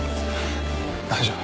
大丈夫。